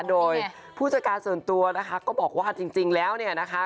โดยผู้จัดการส่วนตัวนะคะก็บอกว่าจริงแล้วเนี่ยนะคะ